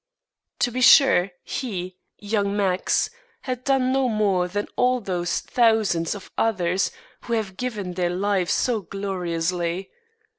To be sure he, young Max, had done no more than all those thousands of others who have given their lives so gloriously.